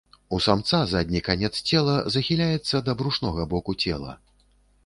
У самца задні канец цела захіляецца да брушнога боку цела.